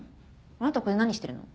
あなたここで何してるの？え？